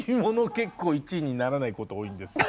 結構１位にならないこと多いんですよね。